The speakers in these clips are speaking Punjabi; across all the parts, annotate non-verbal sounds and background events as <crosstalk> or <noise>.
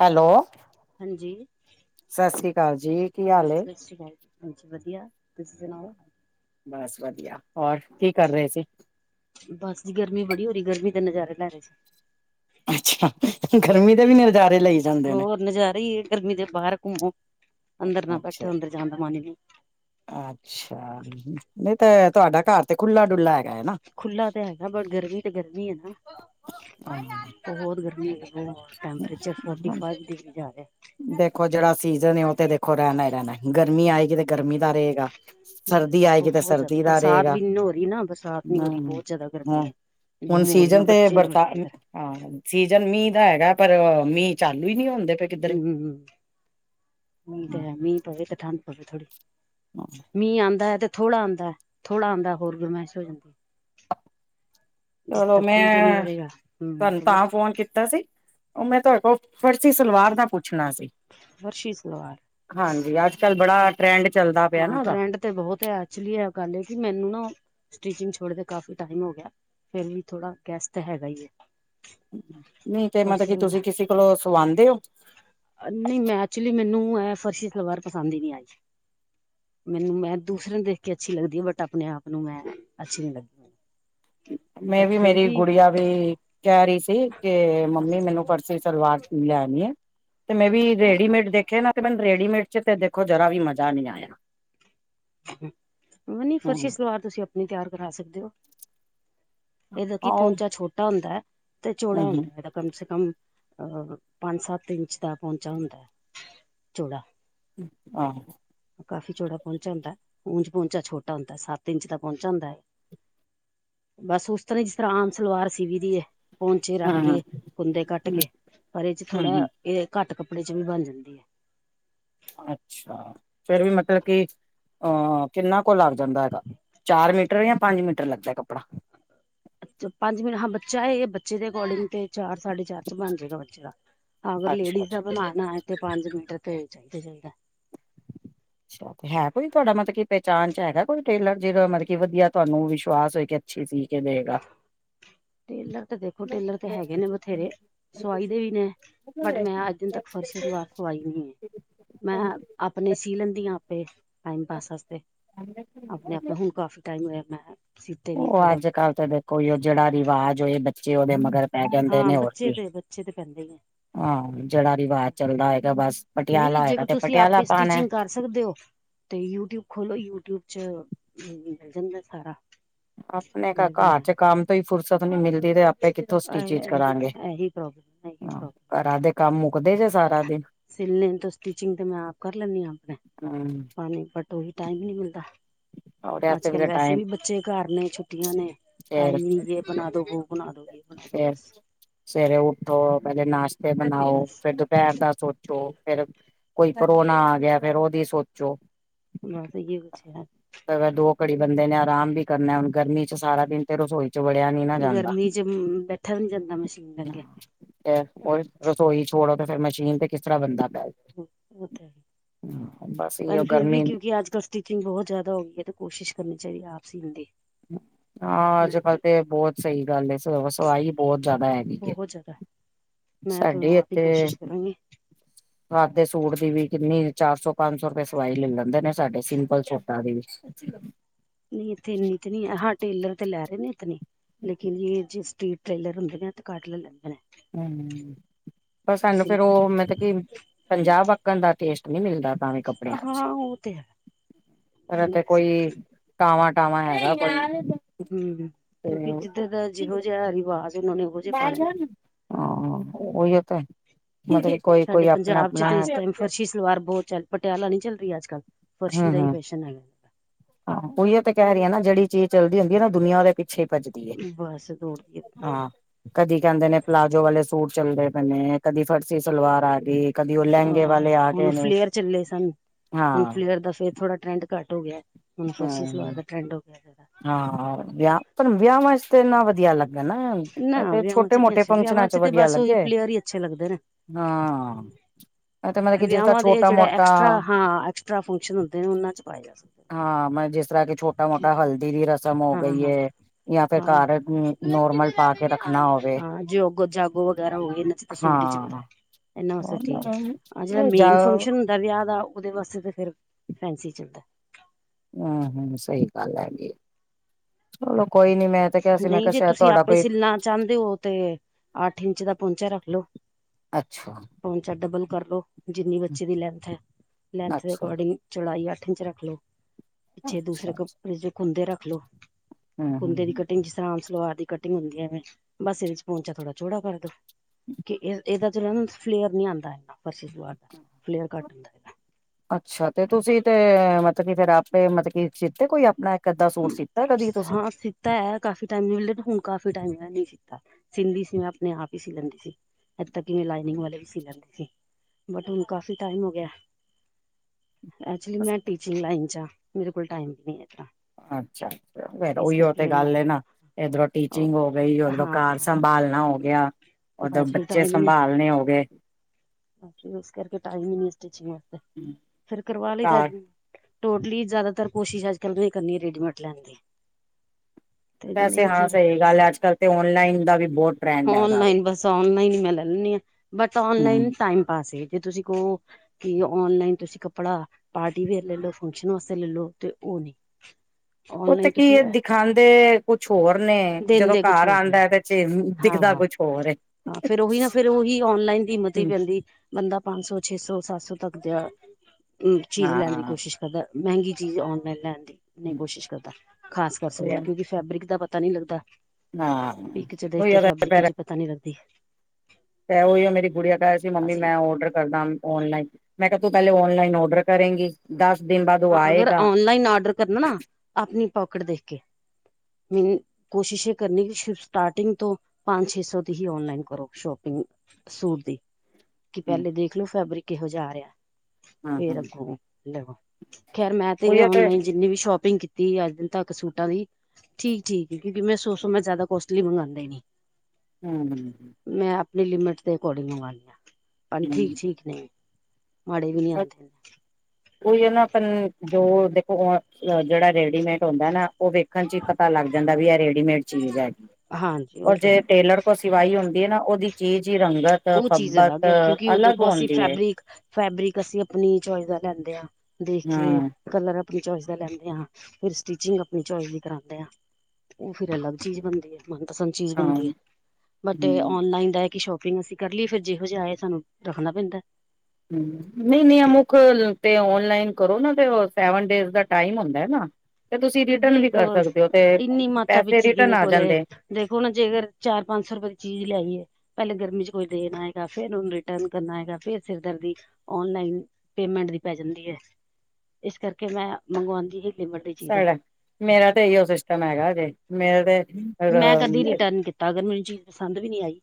ਹੈਲੋ। ਹਾਂਜੀ। ਸਤਿ ਸ੍ਰੀ ਅਕਾਲ ਜੀ ਕੀ ਹਾਲ ਹਾਂਜੀ, ਏ ਸਤਿ ਸ੍ਰੀ ਅਕਾਲ। ਹਾਂਜੀ ਵਧੀਆ, ਤੁਸੀਂ ਸੁਣਾਓ? ਬੱਸ ਵਧੀਆ। ਹੋਰ ਕੀ ਕਰ ਰਏ ਸੀ? ਬਸ ਜੀ ਗਰਮੀ ਬੜੀ ਹੋ ਰੀ ਗਰਮੀ ਤੇ ਨਜ਼ਾਰੇ ਲੈ ਰਏ ਸੀ। ਅੱਛਾ, ਗਰਮੀ ਦੇ ਵੀ ਨ ਹੋਰ ਨਜ਼ਾਰੇ ਈ ਏ ਗਰਮੀ ਦੇ ਬਾਰ ਘੁੰਮੋ, ਅੰਦਰ ਨਾ ਅੱਛਾ ਬੈਠੋ। ਅੰਦਰ ਜਾਣ ਦਾ ਮਨ ਨੀ ਅੱਛਾ, ਨਹੀਂ ਤੇ ਤੁਆਡਾ ਘਰ ਤੇ ਖੁੱਲਾ ਡੁੱਲਾ ਏ। ਖੁੱਲਾ ਤਾਂ ਹੈਗਾ ਬਟ ਗਰਮੀ ਤੇ ਗਰਮੀ ਏ ਨਾ। ਬਹੋਤ ਗਰਮੀ ਏ। ਹੋਰ ਟੈਂਪਰੇਚਰ ਫੋਰਟੀ-ਫਾਈਵ ਡਿਗਰੀ ਜਾ ਰਿਆ। ਦੇਖੋ ਜਿਹੜਾ ਸੀਜਨ ਏ ਓ ਤੇ ਦੇਖੋ ਰੈਣਾ ਏ ਰੈਣਾ, ਗਰਮੀ ਆਏਗੀ ਤੇ ਗਰਮੀ ਦਾ ਰਏਗਾ। ਸਰਦੀ ਆਏਗੀ ਤੇ ਬਹੁਤ ਜ਼ਿਆਦਾ ਸਰਦੀ ਦਾ ਬਰਸਾਤ ਰਏਗਾ ਵੀ ਨੀ ਹੋ ਰਹੀ ਨਾ ਬਰਸਾਤ ਨੀ ਹੋ ਰਹੀ ਹੂੰ, ਬਹੁਤ ਜ਼ਿਆਦਾ ਗਰਮੀ ਹੈ। ਹੁਣ ਗੁੰਮ ਹੋ ਰਹੀਆਂ ਸੀਜਨ ਤੇ ਬੱਚੇ ਅੰਦਰ ਬਰਸਾ ਹਾਂ, ਹੁਣ ਸੀਜਨ ਮੀਂਹ ਦਾ ਹੈਗਾ ਪਰ ਮੀਂਹ ਚਾਲੂ ਈ ਨੀ ਹੁੰਦੇ ਪਏ। ਕਿੱਧਰੇ ਹੂੰ, ਹੁਣ ਤਾਂ ਹੈ ਮੀਂਹ ਪਏ ਤੇ ਠੰਡ ਪਵੇ ਥੋੜ੍ਹੀ। ਹਾਂ। ਮੀਂਹ ਆਂਦਾ ਤੇ ਥੋੜ੍ਹਾ ਆਂਦਾ, ਥੋੜਾ ਆਂਦਾ ਤੇ ਹੋਰ ਗਰਮੈਸ਼ ਹੋ ਜਾਂਦੀ। ਓਦੋ ਮੈਂ ਤੁਹਾਨੂੰ ਤਾਂ ਫੋਨ ਕੀਤਾ ਸੀ ਓ ਮੈਂ ਤੁਆਡੇ ਕੋਲ ਫਰਸੀ਼ ਸਲਵਾਰ ਦਾ ਪੁੱਛਣਾ ਸੀ। ਹਾਂਜੀ, ਅੱਜ-ਕਲ ਬੜਾ ਟਰੈਂਡ ਚੱਲਦਾ ਪਿਆ ਹਾਂ ਨਾ ਓਦਾਂ। ਟਰੈਂਡ ਤੇ ਬੌਤ ਐ ਅਚੁਲੀ ਐ ਗੱਲ ਏ ਕਿ ਮੈਂਨੂੰ ਨਾ ਸਟਿਚਿੰਗ ਛੋੜਦੇ ਕਾਫੀ ਟਾਈਮ ਹੋ ਗਿਆ ਫੇਰ ਵੀ ਥੋੜਾ ਗੈਸ ਤੇ ਹੈਗਾ ਈ ਏ। ਨਹੀਂ ਤੇ ਮਤਲਬ ਕੀ ਤੁਸੀਂ ਕਿਸੇ ਕੋਲੋਂ ਸਵਾਂਦੇ ਓ? ਅ ਨਹੀਂ ਮੈਂ ਐਚੁਲੀ ਮੈਨੂੰ ਐ ਫਰਸ਼ੀ ਸਲਵਾਰ ਪਸੰਦ ਈ ਨੀ ਆਈ। ਮੈਨੂੰ ਮੈਂ ਦੂਸਰੇ ਨੂੰ ਦੇਖ ਕੇ ਅੱਛੀ ਲੱਗਦੀ ਏ ਬਟ ਆਪਣੇ ਆਪ ਨੂੰ ਮੈਂ ਅੱਛੀ ਨੀ ਲੱਗਦੀ। <inaudible> ਬਟ ਮੇਵੀ ਫਿਰ ਮੇਰੀ ਵੀ ਗੁੜੀਆਂ ਵੀ ਕਹਿ ਰਹੀ ਸੀ, ਕਿ ਮੰਮੀ ਹਾਂਜੀ ਮੈਨੂੰ ਹਾਂਜੀ ਫਰਸ਼ੀ ਸਲਵਾਰ ਲੈਣੀ ਆ ਤੇ ਮੇਵੀ ਰੇਡੀਮੇਡ ਦੇਖੇ ਨਾ ਤੇ ਮੈਨੂੰ ਰੇਡੀਮੇਡ ਚ ਤੇ ਦੇਖੋ ਜਰਾ ਵੀ ਮਜ਼ਾ ਨੀ ਆਇਆ। ਨਈ ਹਮ ਫਰਸ਼ੀ ਸਲਵਾਰ ਤੁਸੀਂ ਆਪਣੀ ਤਿਆਰ ਕਰਾ ਸਕਦੇ ਓ। ਇਹਦਾ ਕੀ ਆਹ ਪਹੁੰਚਾ ਛੋਟਾ ਹੁੰਦਾ, ਤੇ ਚੌੜਾ ਹਮ ਹੁੰਦਾ। ਕਮ ਸੇ ਕਮ ਅ ਪੰਜ ਸੱਤ ਇੰਚ ਦਾ ਪਹੁੰਚਾ ਹੁੰਦਾ ਚੋੜਾ। ਹਾਂ, ਕਾਫ਼ੀ ਚੋੜਾ ਪੋਂਚਾ ਹੁੰਦਾ ਉਂਝ ਪੋਂਚਾ ਛੋਟਾ ਹੁੰਦਾ ਸੱਤ ਇੰਚ ਦਾ ਪੋਂਚਾ ਹੁੰਦਾ। ਬਸ ਉਸ ਤਰ੍ਹਾਂ ਜਿਸ ਤਰ੍ਹਾਂ ਆਮ ਸਲਵਾਰ ਸੀ ਦੀ ਏ। ਪੋਂਚੇ ਰੱਖ ਹਮ ਕੇ ਕੁੰਦੇ ਕੱਟ ਕੇ ਪਰ, ਇਹ ਚ ਹਮ ਥੋੜਾ ਹਮ ਇਹ ਘੱਟ ਕੱਪੜੇ ਚ ਵੀ ਬਣ ਜਾਂਦੀ ਐ ਅੱਛਾ ਫਿਰ ਵੀ ਮਤਲਬ ਕਿ ਆ ਕਿੰਨਾ ਕੁ ਲੱਗ ਜਾਂਦਾ ਹੈਗਾ, ਚਾਰ ਮੀਟਰ ਜਾਂ ਪੰਜ ਮੀਟਰ ਲੱਗਦਾ ਕੱਪੜਾ ਹੈ ਪੰਜ ਮੀਟਰ ਹਾਂ ਬੱਚਾ ਐ ਬੱਚੇ ਦੇ ਅਕੋਰਡਿੰਗ ਤੇ ਚਾਰ ਸਾਢੇ ਚਾਰ ਚ ਬਣ ਜੇਗਾ ਬੱਚੇ ਦਾ। ਅਗਰ ਅੱਛਾ, ਲੇਡੀਜ਼ ਦਾ ਅੱਛਾ, ਬਣਾਣਾ ਐ ਤੇ ਪੰਜ ਮੀਟਰ ਤੇ <unintelligible> ਅੱਛਾ ਤੇ ਹੈ ਕੋਈ ਤੁਹਾਡਾ ਮਤਲਬ ਕੀ ਪਹਿਚਣ ਚ ਹੈਗਾ, ਕੋਈ ਟੇਲਰ ਜਿਹੜਾ ਮਤਲਬ ਕਿ ਵਧੀਆ ਤੁਹਾਨੂੰ ਵਿਸ਼ਵਾਸ ਹੋਏ ਕੇ ਅੱਛੀ ਸੀ ਕੇ ਦੇਗਾ। ਟੇਲਰ ਤੇ ਦੇਖੋ ਟੇਲਰ ਤੇ ਹੈਗੇ ਨੇ ਬਥੇਰੇ ਸਵਾਈ ਦੇ ਵੀ ਨੇ ਬਟ ਮੈਂ ਅੱਜ ਦਿਨ ਤੱਕ ਫਰਸ਼ੀ ਸਲਵਾਰ ਸਵਾਈ ਨੀ ਐ ਮੈਂ ਆਪਣੇ ਸੀ ਲੈਂਦੀ ਆ ਆਪੇ, ਟਾਈਮ ਪਾਸ ਵਾਸਤੇ ਆਪਣੇ ਆਪ ਹੁਣ ਕਾਫੀ ਟਾਈਮ ਹੋਇਆ ਮੈਂ ਸੀਤੇ ਨੀ ਉਹ ਥੋੜਾ ਅੱਜ ਕੱਲ ਤੇ ਦੇਖੋ ਓ ਜਿਹੜਾ ਰਿਵਾਜ ਹੋਏ ਬੱਚੇ ਉਹਦੇ ਮਗਰ ਪੈ ਹਾਂ ਬੱਚੇ ਤੇ ਬੱਚੇ ਤੇ ਪੈਂਦੇ ਨੀ। ਆਹੋ ਜਿਹੜਾ ਰਿਵਾਜ ਚੱਲਦਾ ਹੋਏਗਾ ਬਸ, ਪਟਿਆਲਾ ਨਹੀਂ ਹੋਏਗਾ ਜੇਕਰ ਤੇ ਤੁਸੀਂ ਪਟਿਆਲਾ ਆਪੇ ਪਾਣਾ। ਸਟਿਚਿੰਗ ਕਰ ਸਕਦੇ ਓ ਤੇ ਯੂਟਿਊਬ ਖੋਲੋ ਯੂਟਿਊਬ ਚ ਮਿਲ ਜਾਂਦਾ ਸਾਰਾ ਆਪਣੇ ਜਿਵੇਂ ਘਰ ਚ ਬਣਾਉਣਾ ਕੰਮ ਤੋਂ ਈ ਫ਼ੁਰਸਤ ਨੀ ਮਿਲਦੀ ਤੇ ਕਿੱਥੋਂ ਸਟੀਟੀਜ ਇਹੀ ਕਰਾਂਗੇ, ਇਹੀ ਪ੍ਰੋਬਲਮ ਇਹੀ ਪ੍ਰੋਬਲਮ ਘਰਾਂ ਦੇ ਕੰਮ ਮੁੱਕਦੇ ਜੇ ਸਾਰਾ ਦਿਨ ਸਿਰਨੇ ਨੂੰ ਤੋਂ ਸਟਿਚਿੰਗ ਤੇ ਮੈਂ ਆਪ ਕਰ ਲੈਣੀ ਆ ਆਪਣੇ, ਹਮ <unintelligible> ਟਾਈਮ ਨੀ ਮਿਲਦਾ। ਉਹਦੇ ਅੱਜ ਵਾਸਤੇ ਕੱਲ ਤਾਂ ਵੈਸੇ ਟਾਈਮ ਵੀ ਬੱਚੇ ਘਰ ਨੇ ਛੁੱਟੀਆਂ ਨੇ, ਫੇਰ ਟਾਈਮ ਈ ਨੀ ਜੇ ਬਣਾ ਦੋ ਵੋ ਬਣਾ ਦੋਗੇ। ਫੇਰ ਸਵੇਰੇ ਉੱਠੋ, ਪਹਿਲੇ ਨਾਸ਼ਤੇ ਬਣਾਓ, ਬਸ ਫਿਰ ਦੁਪ ਦੁਪੈਰ ਦਾ ਸੋਚੋ, ਫ਼ਿਰ ਕੋਈ ਪਰੋਣਾ ਆ ਗਿਆ, ਫੇਰ ਉਹਦੀ ਸੋਚੋ ਬਸ, ਆਈੳ ਈ ਕੁਛ ਹੈ। ਦੋ ਘੜੀ ਬੰਦੇ ਨੇ ਆਰਾਮ ਵੀ ਕਰਨਾ ਐ, ਹੁਣ ਗਰਮੀ 'ਚ ਸਾਰਾ ਦਿਨ ਤੇ ਰਸੋਈ 'ਚ 'ਚ ਵੜਿਆ ਨੀ ਨਾ ਜਾਂਦਾ। ਗਰਮੀ ਚ ਬੈਠਾ ਨੀ ਜਾਂਦਾ ਮਸ਼ੀਨ ਅੱਗੇ ਹਮਮ ਤੇ ਉਹ ਰਸੋਈ ਛੋੜੋ, ਤੇ ਫ਼ਿਰ ਮਸ਼ੀਨ ਤੇ ਕਿਸ ਤਰ੍ਹਾਂ ਬੰਦਾ ਪੈਰ ਉਹ ਤਾਂ ਹੈ, ਬਸ ਇਓ ਕੰਮ ਫਿਰ ਵੀ ਗਰਮੀ ਕਿਉਂਕਿ ਅੱਜ ਕਲ ਸਟੀਚਿੱਗ ਬਹੁਤ ਜ਼ਿਆਦਾ ਹੋ ਗਈ ਹੈ, ਤੇ ਕੋਸ਼ਿਸ਼ ਕਰਨੀ ਚਾਹੀਦੀ ਐ ਆਪ ਸੀਣ ਦੀ। ਹਾਂ ਅੱਜ ਕੱਲ ਤੇ ਬਹੁਤ ਸਹੀ ਗੱਲ ਏ, ਸਵ ਸਵਾਈ ਬਹੁਤ ਜ਼ਿਆਦਾ ਹੈਗੀ ਹੈ, ਬਹੁਤ ਜ਼ਿਆਦਾ ਮੈਂ ਤਾਂ ਸਾਡੇ ਆਪ ਹੀ ਇੱਥੇਏੇੇੇ ਕੋਸ਼ਿਸ਼ ਕਰਾਂਗੀ ਸਾਦੇ ਸੂਟ ਦੀ ਵੀ ਕਿੰਨੀ ਚਾਰ ਸੌ, ਪੰਜ ਸੌ ਰੁਪਏ ਸਵਾਈ ਲੈ ਲੈਂਦੇ ਨੇ ਸਾਡੇ ਸਿੰਪਲ ਸੂਟਾਂ ਦੀ ਵੀ। ਠੀਕ <inaudible> ਨਹੀਂ ਇੱਥੇ ਇੰਨੀ ਤੇ ਨੀ ਹੈ, ਟੇਲਰ ਤੇ ਲੈ ਰਹੇ ਨੇ ਇਤਨੀ ਲੇਕਿਨ ਜ ਜੇ ਸਪੀਡ ਟ੍ਰੇਲਰ ਹੁੰਦੇ ਨੇ ਤੇ ਕੱਟ ਲੈ ਲੈਂਦੇ ਨੇ। ਹਮਮਮਮ ਪਰ ਸਾਨੂੰ ਫੇਰ ਉਹ, ਮਤਲਬ ਕੀ ਪੰਜਾਬ ਅੱਕਣ ਦਾ ਟੇਸਟ ਨੀ ਮਿਲਦਾ ਤਾਵੀ ਕੱਪੜਿਆ 'ਚ ਹਾਂ ਉਹ ਤੇ ਹੈ <unintelligible> ਟਾਵਾਂ ਟਾਵਾਂ ਹੈਗਾ ਕੁਈ ਹਮ, ਕਿਉਂਕਿ ਜਿੱਧਰ ਦਾ ਜਿਹੋ ਜਿਹਾ ਰਿਵਾਜ ਹਾਾਾਾਾਂ ਓ ਤੇ, ਮਤਲਬ ਕੀ ਸਾਡੇ ਪੰਜਾਬ 'ਚ ਤੇ ਇਸ ਤ ਟਾਈਮ ਫਰਸ਼ੀ ਸਲਵਾਰ ਬਹੁਤ ਚੱਲ ਪਟਿਆਲਾ ਨਹੀਂੀ ਚੱਲ ਰਹੀ ਅੱਜ ਕੱਲ੍ਹ, ਫਰਸ਼ੀ ਦਾ ਹੀ ਫੈਸ਼ਨ ਹੈਗਾ। ਹਾਂ ਉਹੀ ਤਾਂ ਕਹਿ ਰਹੀ ਆ ਨਾ, ਜਿਹੜੀ ਚੀਜ਼ ਚੱਲਦੀ ਹੁੰਦੀ ਹੈ ਨਾ ਦੁਨੀਆਂ ੳਦੇ ਪ ਛੇ ਪੱਜਦੀ ਹੈ, ਬਸ ਦੌੜਦੀ ਰਹਿੰਦੀ ਆ ਹਾਂ ਕਦੀ ਕਹਿੰਦੇ ਨੇ ਪਲਾਜ਼ੋ ਵਾਲੇ ਸੂਟ ਚੱਲਦੇ ਪਏਣੇ, ਕਦੀ ਫਰਸੀ ਸਲਵਾਰ ਆ ਗਈ। ਕਦੀ ਉਹ ਲਹਿੰਗੇ ਹਹ, ਵਾਲੇ ਆ ਹੁਣ ਗਏ ਨੇ ਫਲੇਅਰ ਚੱਲੇ ਸਨ, ਹੁਣ ਹਾਂ ਫਲੇਅਰ ਦਾ ਫੇਰ ਥੋੜਾ ਟਰੈਂਡ ਘੱਟ ਹੋ ਗਿਆ, ਹੁਣ ਫਰਸ਼ੀ ਸਲਵਾਰ ਹਮ ਦਾ ਟਰੈਂਡ ਹੋ ਗਿਆ ਜਿਹੜਾ ਹਾਂ ਵਿਆਹ, ਪਰ ਵਿਆਹ ਵਾਚ ਤੇ ਇੰਨਾ ਵਧੀਆ ਲੱਗਦਾ ਨਾ ਤੇ, ਵਿਆਹਾਂ ਛੋਟੇ ਚ ਨੀ ਮੋਟੇ ਅੱਛੇ ਫੰਕਸ਼ਨਾਂ ਵਿਆਹਾਂ 'ਚ ਤੇ ਵਧੀਆ ਬਸ ਉਹੀ ਲੱਗੇ। ਫਲੇਅਰ ਹੀ ਅੱਛੇ ਲੱਗਦੇ ਨੇ। ਹਾਂ ਤੇ ਮਤਲਬ ਕਿ ਜਿਸਦਾ ਵਿਆਹਾਂ ਦੇ ਛੋਟਾ ਜਿਹੜੇ ਮੋਟਾ ਐਕਸਟਰਾ, ਹਾਂ ਐਕਸਟਰਾ ਫੰਕਸ਼ਨ ਹੁੰਦੇ ਨੇ ਉਹਨਾਂ 'ਚ ਪਾਏ ਜਾ ਸਕਦੇ। ਨੇ। ਹਾਂ, ਮੈਂ ਜਿਸ ਤਰ੍ਹਾਂ ਕਿ ਛੋਟਾ ਮੋਟਾ ਹਲਦੀ ਦੀ ਰਸਮ ਹੋ ਗਈ ਹਾਂ-ਹਾਂ। ਹੈ। ਜਾਂ ਫਿਰ ਹਾਂ, ਘਰ ਨੋਰਮਲ ਪਾ ਕੇ ਰੱਖਣਾ ਹੋਵੇ ਹਾਂ ਜਗੋ ਜਾਗੋ ਵਗੈਰਾ ਹੋ ਗ ਇਹਨਾਂ 'ਚ ਸੂਟ ਹੀ ਚੱਲਦਾ ਹਾਂ ਹੈ, ਇਹਨਾ ਵਾਸਤੇ ਠੀਕ ਹੈ ਆਹ ਜਿਹੜਾ ਜਾ ਮੇਨ ਫੰਕਸ਼ਨ ਦਾ ਵਿਆਹ ਦਾ, ਉਹਦੇ ਵਾਸਤੇ ਤਾਂ ਫਿਰ ਫੈਸੀ ਚੱਲਦਾ। ਹਮ ਹਮ ਸਹੀ ਗੱਲ ਹੈਗੀ, ਚਲੋ ਕੋਈ ਨੀ ਮੈਂ ਤੇ ਕਿਹਾ ਸੀ ਮੈਂ ਨਹੀਂ ਕਿਹਾ ਜੇ ਸ਼ਾਇਦ ਤੁਸੀਂ ਤੁਹਾਡਾ ਆਪੇ ਕੋਈ ਸਿਲਣਾ ਚਾਹੁੰਦੇ ਹੋ ਤੇ, ਅੱਠ ਇੰਚ ਦਾ ਪਹੁੰਚਾ ਰੱਖ ਲੋ। ਅੱਛਾ। ਪਹੁੰਚਾ ਡਬਲ ਕਰ ਲੋ, ਜਿੰਨੀ ਬੱਚੇ ਦੀ ਲੈਂਥ ਹੈ, ਲੈਂਥ ਦੇ ਅੱਛਾ ਅਕੋਰਡਿੰਗ ਚੌੜਾਈ ਅੱਠ ਇੰਚ ਰੱਖ ਲੋ, ਪਿੱਛੇ ਅੱਛਾ ਦੂਸਰੇ ਕੱਪੜੇ 'ਚ ਖੁੰਦੇ ਰੱਖ ਲੋ। ਹੂੰ ਹੂੰ ਕੁੰਦੇ ਦੀ ਹੂੰ ਕਟਿੰਗ ਜਿਸ ਤਰ੍ਹਾਂ ਆਮ ਸਲਵਾਰ ਦੀ ਕਟਿੰਗ ਹੁੰਦੀ ਹੈ ਐਵੇ, ਬਸ ਇਹਦੇ ਵਿੱਚ ਪਹੁੰਚਾ ਥੋੜਾ ਚੋੜਾ ਕੱਢ ਲਓ। ਕਿ ਇਹ ਇਹਦਾ ਚਲ ਨਾ ਫਲੇਅਰ ਨੀ ਆਉਂਦਾ ਇਨਾ, ਫਰਸ਼ੀ ਸਲਵਾਰ ਦਾ, ਫਲੇਅਰ ਘੱਟ ਹੁੰਦਾ। ਅੱਛਾ, ਤੇ ਤੁਸੀਂ ਤੇ ਮਤਲਬ ਫੇਿਰ ਆਪੇ ਮਤਲਬ ਕੀ ਸੀਤੇ ਕੋਈ ਆਪਣਾ? ਇੱਕ ਅੱਧਾ ਸੂਟ ਸੀਤਾ ਕਦੀ ਤੁਸੀਂ ਹਾਂ ਸ਼ <unintelligible> ਸਿਤਾਂ ਹੈ ਕਾਫੀ ਟਾਈਮ ਪੈਲੇ, ਹੁਣ ਕਾਫੀ ਟਾਈਮ ਮੈਂ ਨ ਨਹੀਂ ਸਿਤਾ, ਸਿੰਦੀ ਸੀ ਮੈਂ ਆਪਣੇ ਆਪ ਹੀ ਸੀ ਲੈਂਦੀ ਸੀ। ਐਦ ਤਕ ਲਾਈਨਿੰਗ ਵਾਲੇ ਵੀ ਸੀ ਲੈਂਦੇ ਸੀ ਬਟ ਹੁਣ ਕਾਫੀ ਟਾਈਮ ਹੋ ਗਿਆ ਐਕਚੂਲੀ ਮੈਂ ਟੀਚਿੰਗ ਲਾਈਨ 'ਚ ਆ ਮੇਰੇ ਕੋਲ ਟਾਈਮ ਨਹੀਂ ਹੈਗਾ ਅੱਛਾ ਫਿਰ ਇਸ ਉਹੀ ਤੇ ਕਰਕੇ ਮੈਂ ਗੱਲ ਨਾ ਇਧਰੋਂ ਟੀਚਿੰਗ ਹੋ ਗਈ ਉਧਰੋਂ ਹਾਂ ਘਰ ਸੰਭਾਲਣਾ ਹੋ ਗਿਆ ਓਧਰੋਂ ਬਸ ਫਿਰ ਬੱਚੇ ਟਾਈਮ ਹੀ ਸੰਭਾਲਣੇ ਹੋ ਗਏ ਇਸ ਕਰਕੇ ਟਾਈਮ ਹੀ ਨੀ ਮਿਲਦਾ ਸਟਿਚਿੰਗ ਵਾਸਤੇ ਫਿਰ ਕਰਵਾ ਲਈ ਦਾ ਘਰ ਜੀ ਟੋਟਲੀ ਜ਼ਿਆਦਾਤਰ ਕੋਸ਼ਿਸ਼ ਅੱਜ ਕੱਲ ਨਹੀਂ ਕਰਨੀ ਰੈਡੀਮੇਡ ਲੈਣ ਦੀ ਤੇ ਵੈਸੇ ਨਹੀਂ ਹਾਂ ਫਿਰ ਸਹੀ ਗੱਲ ਹੈ ਅੱਜ ਕੱਲ੍ਹ ਤੇ ਔਨਲਾਈਨ ਦਾ ਵੀ ਬਹੁਤ ਟਰੈਂਡ ਹੈਗਾ ਵੇ ਔਨਲਾਈਨ ਬਸ ਔਨਲਾਈਨ ਹੀ ਮੈਂ ਲੈ ਲੈਂਦੀ ਹਾਂ ਬਟ ਹੂੰ ਔਨਲਾਈਨ ਟਾਈਮ ਪਾਸ ਹੀ ਜੇ ਤੁਸੀਂ ਕਹੋ ਕਿ ਔਨਲਾਈਨ ਤੁਸੀਂ ਕੱਪੜਾ ਪਾਰਟੀ ਵੇਅਰ ਲੈ ਲਓ ਫੰਕਸ਼ਨ ਵਾਸਤੇ ਲੈ ਲਓ ਤੇ ਉਹ ਨੀ ਉਹ ਤੇ ਔਨਲਾਈਨ ਕੀ ਤੁਸੀਂ ਦਿਖਾਉਂਦੇ ਕੁਛ ਹੋਰ ਨੇ ਜਦੋਂ ਦਿੰਦੇ ਕੁਛ ਘਰ ਹੋਰ ਨੇ ਆਉਂਦਾ ਤੇ ਚੀਨ ਹਾਂ ਦਿਖਦਾ ਹਾਂ ਕੁਛ ਹੋਰ ਹੈ ਹਾਂ ਫਿਰ ਉਹੀ ਨਾ ਫਿਰ ਉਹੀ ਔਨਲਾਈਨ ਕੀਮਤ ਹੀ ਹੂੰ ਪੈਂਦੀ ਬੰਦਾ ਪੰਜ ਸੌ ਛੇ ਸੌ ਸੱਤ ਸੌ ਤੱਕ ਦੇ ਹਮ, ਚੀਜ਼ ਹਾਂ ਲੈਣ ਦੀ ਕੋਸ਼ਿਸ਼ ਕਰਦਾ, ਮਹਿੰਗੀ ਚੀਜ਼ ਔਨਲਾਈਨ ਲੈਣ ਦੀ ਨਹੀ ਕੋਸ਼ਿਸ਼ ਕਰਦਾ, ਖਾਸ ਕਰ ਸੂਟ, ਕਿਉਂਕਿ ਫੈਬਰਿਕ ਦਾ ਪਤਾ ਨਹੀਂ ਲੱਗਦਾ ਹਾਂ ਪਿਕ 'ਚ ਦੇਖ ਕੇ ਉਹੀਓ ਫੈਬਰਿਕ ਨੂੰ 'ਚ ਪਤਾ ਨੀ ਲੱਗਦੀ ਤੇ ਉਹੀ ਮੇਰੀ ਗੁੜੀਆ ਕਹਿ ਰਹੀ ਸੀ ਮੰਮੀ ਅਸੀਂ ਮੈਂ ਔਡਰ ਕਰਦਾ ਔਨਲਾਈਨ ਮੈਂ ਕਿਹਾ ਤੂੰ ਪਹਿਲੇ ਔਨਲਾਈਨ ਔਡਰ ਕਰੇਗੀ ਦਸ ਦਿਨ ਬਾਅਦ ਉਹ ਆਏਗਾ ਆਪਣੀ ਪੋਕਟ ਦੇਖ ਕੇ ਹਮਮ ਕੋਸ਼ਿਸ਼ ਇਹ ਕਰਨੀ ਕਿ ਸਟਾਰਟਿੰਗ ਤੋਂ ਪੰਜ ਛੇ ਸੌ ਦੀ ਹੀ ਔਨਲਾਈਨ ਕਰੋ ਸ਼ੋਪਿੰਗ ਸੂਟ ਦੀ ਕਿ ਹੂੰ ਪਹਿਲੇ ਦੇਖਲੋ ਫੈਬਰਿਕ ਕਿਹੋ ਜਿਹਾ ਆਇਆ ਹਾਂ ਹਾਂ ਫੇਰ ਅੱਗੋਂ ਲਵੋ ਖੈਰ ਮੈਂ ਤੇ ਔਨਲਾਈਨ ਜਿੰਨੀ ਵੀ ਸ਼ੋਪਿੰਗ ਕੀਤੀ ਅੱਜ ਤੱਕ ਸੂਟਾਂ ਦੀ ਠੀਕ ਠੀਕ ਹੈ ਕਿਉਂਕਿ ਮੈਂ ਸੌ ਮੈਂ ਜ਼ਿਆਦਾ ਕੋਸਟਲੀ ਮੈੰ ਮੰਗਉਂਦਾ ਨੀ ਹਮ ਹੂੰ ਮੈਂ ਆਪਣੀ ਲਿਮਿਟ ਦੇ ਅਕੋਰਡਿੰਗ ਮੰਗਵਾਉਣੀ ਹਾਂ ਪਰ ਠੀਕ ਹੂੰ ਠੀਕ ਨੇ ਮਾੜੇ ਵੀ ਨਹੀਂ ਆਉਂਦੇ ਉਈ ਨਾ ਆਪ ਜੋ ਦੇਖੋ ਜਿਹੜਾ ਰੇਡੀਮੇਡ ਹੁੰਦਾ ਨਾ ਉਹਦੇ ਹਾਂਜੀ ਪਤਾ ਲੱਗ ਜਾਂਦਾ ਵੀ ਇਹ ਰੇਡੀਮੇਡ ਚੀਜ਼ ਹੈਗੀ ਹਾਂਜੀ ਉਹ ਔਰ ਤੇ ਹੈ ਜੇ ਟੇਲਰ ਓਹਦੀ ਸਿਵਾਈ ਹੁੰਦੀ ਹੈ ਨਾ ਉਹਦੀ ਚੀਜ਼ ਹੀ ਰੰਗਤ ਉਹ ਚੀਜ਼ ਫੱਬਤ ਅਲੱਗ ਹੈ ਕਿਉਂਕਿ ਉਹ ਅਲੱਗ ਦੇਖੋ ਅਸੀਂ ਹੁੰਦੀ ਹੈ ਫੈਬਰਿਕ ਫੈਬਰਿਕ ਅਸੀਂ ਆਪਣੀ ਚੋਇਸ ਦਾ ਲੈਂਦੇ ਹਾਂ ਦੇਖ ਹਾਂ ਕੇ ਕਲਰ ਆਪਣੀ ਚੋਇਸ ਦਾ ਲੈਂਦੇ ਹਾਂ, ਫਿਰ ਸਟਿਚਿੰਗ ਆਪਣੀ ਚੋਇਸ ਦੀ ਕਰਾਉਂਦੇ ਹਾਂ ਉਹ ਫਿਰ ਅਲੱਗ ਚੀਜ਼ ਬਣਦੀ ਹੈ ਮਨਪਸੰਦ ਚੀਜ਼ ਹਾਂ ਬਣਦੀ ਹੈ ਬਟ ਹਮ ਔਨਲਾਈਨ ਦਾ ਹੈ ਕਿ ਸ਼ੋਪਿੰਗ ਅਸੀਂ ਕਰ ਲਈਏ ਫੇਰ ਜਿਹੋ ਜਿਹਾ ਆਏ ਸਾਨੂੰ ਰੱਖਣਾ ਪੈਂਦਾ ਹੂੰ ਨਹੀਂ ਨਹੀਂ ਆ ਮੁਕ ਤੇ ਓਨਲਾਈਨ ਕਰੋ ਨਾ ਤੇ ਸੈਵਨ ਡੇਜ਼ ਦਾ ਟਾਈਮ ਹੁੰਦਾ ਨਾ ਤੇ ਤੁਸੀਂ ਰਿਟਰਨ ਕਿਦੇ ਵੀ ਕਰ ਕੋਲ ਸਕਦੇ ਹੋ, ਤੇ ਇੰਨੀ ਮਾਤਾ ਪੈਸੇ ਪਿੱਛੀ ਰਿਟਰਨ ਕਿਦੇ ਆ ਕੋਲੇ ਜਾਂਦੇ ਦੇਖੋ ਨਾ ਜੇਕਰ, ਚਾਰ ਪੰਜ ਸੌ ਰੁਪਏ ਦੀ ਚੀਜ਼ ਲਿਆਈਏ ਪਹਿਲੇ ਗਰਮੀ 'ਚ ਕੋਈ ਦੇਣ ਆਏਗਾ, ਫਿਰ ਉਹਨੂੰ ਰਿਟਰਨ ਕਰਨਾ ਆਏਗਾ, ਫਿਰ ਸਿਰ ਦਰਦੀ ਓਨਲਾਈਨ ਪੇਮੈਂਟ ਦੀ ਪੈ ਜਾਂਦੀ ਹੈ, ਇਸ ਕਰਕੇ ਮੈਂ ਮੰਗਵਾਉਂਦੀ ਹੀ ਲਿਮਟ ਦੀ ਚੀਜ਼ ਆ ਸਾਡਾ, ਮੇਰਾ ਤੇ ਇਹੀਓ ਸਿਸਟਮ ਹੈਗਾ ਜੇ ਮੇਰੇ ਤੇ ਮੈਂ ਕਦੀ ਰਿਟਰਨ ਕੀਤ ਅਗਰ ਮੈਨੂੰ ਚੀਜ਼ ਪਸੰਦ ਵੀ ਨਹੀਂ ਆਈ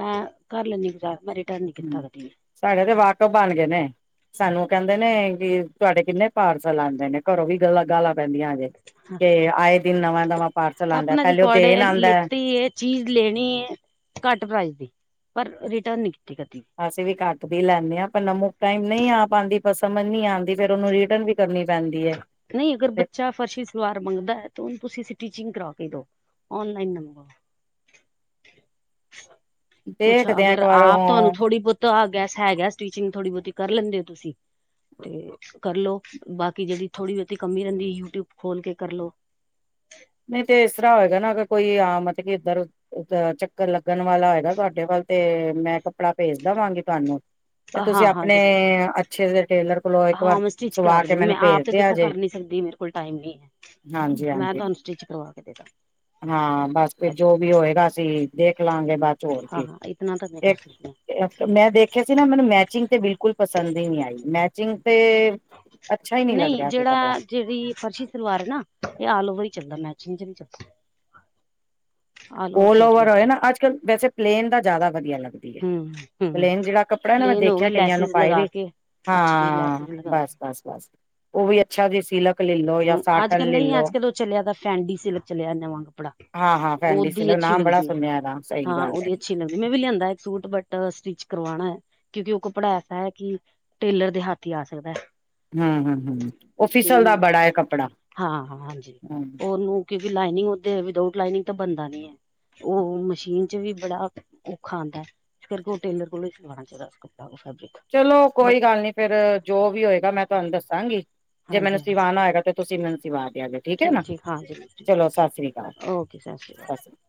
ਮੈਂ ਕਰ ਲੈਂਦੀ ਗੁਜ਼ਾਰ ਮੈਂ ਰਿਟਰਨ ਨਹੀ ਹਮ ਕੀਤਾ ਕਦੀ ਵੀ ਸਾਡੇ ਤੇ ਵਾਕਫ ਬਣ ਗਏ ਨੇ ਸਾਨੂੰ ਕਹਿੰਦੇ ਨੇ ਕਿ ਤੁਹਾਡੇ ਕਿੰਨੇ ਪਾਰਸਲ ਆਉਂਦੇ ਨੇ ਘਰੋਂ ਵੀ ਗੱਲਾਂ ਗਾਲਾਂ ਪੈਂਦੀਆਂ ਹਜੇ ਤੇ ਆਏ ਦਿਨ ਨਵਾਂ- ਨਵਾਂ ਪਾਰਸਲ ਆਉਂਦਾ ਆਪਣਾ ਪਹਿਲੇ ਉਹ ਰਿਕਾਰਡ ਦੇਣ ਏ ਆਉਂਦਾ। ਲਿੱਤੀ ਹੈ ਚੀਜ਼ ਲੈਣੀ ਹੈ ਘੱਟ ਪ੍ਰਾਈਜ਼ ਦੀ, ਪਰ ਰਿਟਰਨ ਨੀ ਕੀਤੀ ਕਦੀ। ਅਸੀਂ ਵੀ ਘੱਟ ਦੀ ਲੈਂਦੇ ਹਾਂ ਪਰ ਨਮਕ ਟਾਈਮ ਨਹੀਂ ਆ ਪਾਉਂਦੀ ਪਰ ਸਮਝ ਨੀ ਆਂਦੀ ਫੇਰ ਉਹਨੂੰ ਰਿਟਰਨ ਵੀ- ਕਰਨੀ ਪੈਂਦੀ ਹੈ। ਨਹੀਂ ਅਗਰ ਬੱਚਾ ਫਰਸ਼ੀ ਸਲਵਾਰ ਮੰਗਦਾ ਤੇ ਉਹਨੂੰ ਤੁਸੀਂ ਸਟੀਚਿੰਗ ਕਰਾ ਕੇ ਦਓ। ਔਨ ਲਈਨ ਨਾ ਮੰਗਵਾਓ। ??? ਕੁੱਛ ਅਗਰ ਆਪ ਤੁਹਾਨੂੰ ਥੋੜੀ- ਬਹੁਤੀ ਤਾਂ ਆ ਗਿਆ ਹੈਗਾ ਸਟੀਚਿੰਗ ਥੋੜੀ ਬਹੁਤੀ ਕਰ ਲੈਂਦੇ ਹੋ ਤੁਸੀਂ- ਤੇ ਕਰਲੋ, ਬਾਕੀ ਜਿਹੜੀ ਥੋੜੀ- ਬਹੁਤੀ ਕਮੀ ਰਹਿੰਦੀ ਯੂਟਿਊਬ ਖੋਲ ਕੇ ਕਰਲੋ। ਨਹੀਂ ਤੇ ਇਸ ਤਰਾਂ ਹੋਏਗਾ ਨਾ ਅ ਕੋਈ ਆਮ ਮਤਲਬ ਕਿ ਇੱਧਰ ਇੱਕ ਚੱਕਰ ਲੱਗਣ ਵਾਲਾ ਹੈਗਾ ਤੁਹਾਡੇ ਵੱਲ ਤੇ, ਮੈਂ ਕੱਪੜਾ ਭੇਜ ਦੇਵਾਂਗੀ ਤੁਹਾਨੂੰ। ਤੇ ਤੁਸੀਂ ਹਾਂ ਹਾਂ ਆਪਣੇ ਜ਼ਰੂਰ ਅੱਛੇ ਜੇ ਟੇਲਰ ਕੋਲੋਂ ਇੱਕ ਹਾਂ ਵਾਰ ਮੈਂ ਸਟਿਚ ਕਰਾ ਸਵਾ ਕੇ ਦੇਣੀ, ਮੈਂ ਮੈਨੂੰ ਆਪ ਭੇਜ ਤੇ ਦਿਆ ਦੇਖੋ ਜੇ। ਕਰ ਨੀ ਸਕਦੀ ਮੇਰੇ ਕੋਲ ਟਾਈਮ ਨਹੀਂ ਹੈ। ਹਾਂਜੀ ਮੈਂ ਹਾਂਜੀ ਤੁਹਾਨੂੰ ਸਟਿਚ ਕਰਵਾ ਕੇ ਦੇਵਾਂਗੀ। ਹਾਂ ਬਸ ਫੇ ਜੋ ਵੀ ਹੋਏਗਾ, ਅਸੀਂ ਦੇਖ ਲਵਾਂਗੇ ਬਾਦ ਚ ਹੋਰ ਕੇ, ਹਾਂ ਇਤਨਾ ਤਾਂ ਮੈਂ ਕਰ ਇੱਕ ਸਕਦੀ ਹਾਂ ਮੈਂ ਦੇਖਿਆ ਸੀ ਨਾ ਮੈਨੂੰ ਮੈਚਿੰਗ ਤੇ ਬਿਲਕੁਲ ਪਸੰਦ ਹੀ ਨਹੀਂ ਆਈ, ਮੈਚਿੰਗ ਤੇ ਅੱਛਾ ਹੀ ਨਹੀਂ ਲੱਗ ਰਿਹਾ ਸੀ ਕੱਪੜਾ। ਜਿਹੜੀ ਪਰਸ਼ੀ ਸਲਵਾਰ ਹੈ ਨਾ, ਇਹ ਆਲ ਓਵਰ ਹੀ ਚੱਲਦਾ ਮੈਚਿੰਗ ਚ ਨੀ ਚੱਲਦਾ। ਆਲ ਓਲ ਸੂਟ ਓਵਰ ਹੋਏ ਚ ਨਾ, ਅੱਜ ਕੱਲ ਵੈਸੇ ਪਲੇਨ ਦਾ ਜ਼ਿਆਦਾ ਵਧੀਆ ਲੱਗਦਾ। ਹੂੰ ਹੂੰ ਪਲੇਨ ਜਿਹੜਾ ਕੱਪੜਾ ਨਾ ਮੈਂ ਪਲੇਨ ਹੋ ਗਏ ਦੇਖਿਆ ਕਈਆਂ ਨੂੰ ਲੈਸਿਸ ਪਾਏ ਲਗਾ ਵੀ, ਕੇ ਅੱਛੀ ਹਾਂ ਲੈਸਿਸ ਲਗਾ ਬਸ। ਕੇ ਬਸ- ਬਸ ਉਹ ਵੀ ਅੱਛਾ ਜੇਹਾ ਸੀਲਾ, ਹੂੰ ਅੱਜ ਕੱਲ ਨਹੀਂ ਅੱਜ ਕੱਲ ਉਹ ਚਲਿਆ ਤਾਂ ਫੈਂਡੀ ਸਿਲਕ ਚਲਿਆ ਨਵਾਂ ਕੱਪੜਾ। ਹਾਂ ਹਾਂ ਫੈਂਡੀ ਉਹਦੀ ਸਿਲਕ ਅੱਛੀ ਨਾਮ ਬੜਾ ਲੱਗਦੀ ਹੈ, ਸੁਣਿਆ ਇਹਦਾ ਸਹੀ ਹਾਂ ਗੱਲ ਹੈ ਉਹਦੀ ਅੱਛੀ। ਅੱਛੀ ਲੱਗਦੀ, ਮੈਂ ਵੀ ਲਿਆਂਦਾ ਇੱਕ ਸੂਟ ਬਟ ਸਟਿਚ ਕਰਵਾਉਣਾ ਹੈ ਕਿਉਂਕਿ ਉਹ ਕੱਪੜਾ ਐਸਾ ਹੈ ਕਿ ਟੇਲਰ ਦੇ ਹੱਥ ਹੀ ਆ ਸਕਦਾ ਹੈ। ਹੂੰ-ਹੂੰ, ਹੂੰ ਉਹ ਫਿਸਲ ਦਾ ਬੜਾ ਹੈ ਕੱਪੜਾ। ਹਾਂ- ਹਾਂ ਹਾਂਜੀ ਹਮ ਉਹਨੂੰ ਕਿਉਂਕਿ ਲਾਈਨਿੰਗ ਓਦੇ ਵਿਦੋਟ ਲਾਈਨਿੰਗ ਤਾਂ ਬਣਦਾ ਨੀ ਹੈ। ਉਹ ਹੋਣ ਮਸ਼ੀਨ ਚ ਵੀ ਬੜਾ ਔਖਾ ਆਉਂਦਾ ਹੈ। ਇਸ ਕਰਕੇ ਉਹ ਟੇਲਰ ਕੋਲੋਂ ਈ ਸੂਉਣਾ ਚਾਹੀਦਾ ਓਹ ਕੱਪੜਾ, ਫੈਬਰਿਕ। ਚਲੋਂ ਬਟ ਕੋਈ ਗੱਲ ਨੀ ਫੇਰ, ਜੋ ਵੀ ਹੋਏਗਾ ਮੈਂ ਤੁਹਾਨੂੰ ਦੱਸਾਂਗੀ। ਜੇ ਮੈਨੂੰ ਹਾਂਜੀ ਹਾਂਜੀ ਸਿਵਾਣਾ ਹੋਏਗਾ ਤੇ ਤੁਸੀਂ ਮੈਨੂੰ ਸਿਵਾ ਦਿਆ ਜੇ, ਠੀਕ ਐ ਨਾ, ਚਲੋ ਸਤਿ ਸ੍ਰੀ ਅਕਾਲ। ਜੀ ਸਤਿ ਸ੍ਰੀ ਕਾਲ।